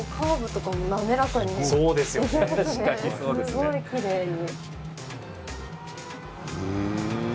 すごいきれいに。